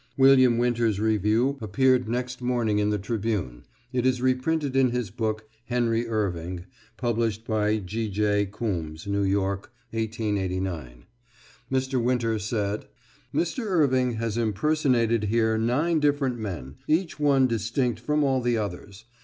William Winter's review appeared next morning in the Tribune, It is reprinted in his book, "Henry Irving," published by G. J. Coombes, New York, 1889. Mr. Winter said: "Mr. Irving has impersonated here nine different men, each one distinct from all the others.